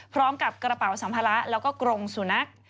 พร้อมกับกระเป๋าสัมภาระแล้วก็กรงสุนัข